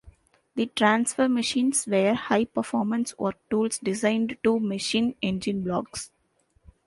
The transfer machines were high-performance work tools designed to machine engine blocks.